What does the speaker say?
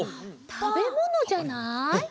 たべものじゃない？